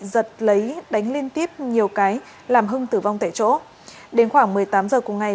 giật lấy đánh liên tiếp nhiều cái làm hưng tử vong tại chỗ đến khoảng một mươi tám giờ cùng ngày